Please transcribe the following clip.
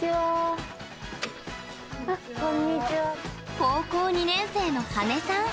高校２年生の、はねさん。